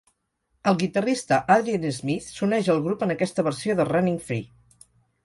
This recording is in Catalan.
El guitarrista Adrian Smith s'uneix al grup en aquesta versió de "Running Free".